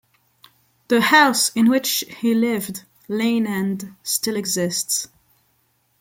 The house in which he lived, Lane End, still exists.